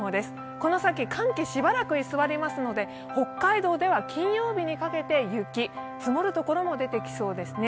この先、寒気がしばらく居座りますので、北海道では金曜日にかけて雪が積もるところも出てきそうですね。